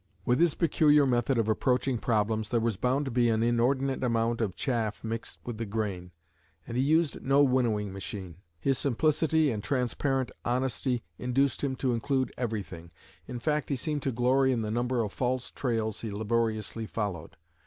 With his peculiar method of approaching problems there was bound to be an inordinate amount of chaff mixed with the grain, and he used no winnowing machine. His simplicity and transparent honesty induced him to include everything, in fact he seemed to glory in the number of false trails he laboriously followed.